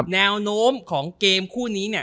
แนวโน้มของเกมคู่นี้เนี่ย